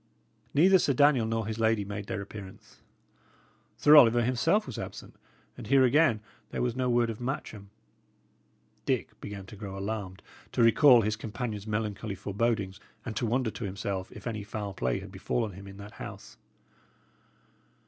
Neither Sir Daniel nor his lady made their appearance. Sir Oliver himself was absent, and here again there was no word of Matcham. Dick began to grow alarmed, to recall his companion's melancholy forebodings, and to wonder to himself if any foul play had befallen him in that house.